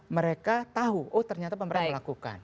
mereka tahu oh ternyata pemerintah melakukan